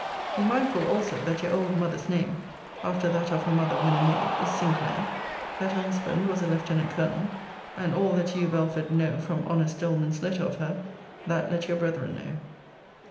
Be mindful also, that your old mother's name, after that of her mother when a maid, is Sinclair: that her husband was a lieutenant colonel, and all that you, Belford, know from honest Doleman's letter of her,* that let your brethren know.